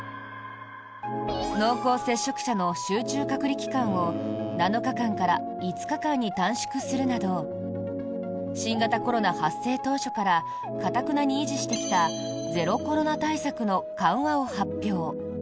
濃厚接触者の集中隔離期間を７日間から５日間に短縮するなど新型コロナ発生当初から頑なに維持してきたゼロコロナ対策の緩和を発表。